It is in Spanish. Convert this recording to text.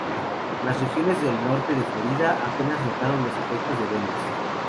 Las regiones del norte de Florida apenas notaron los efectos de Dennis.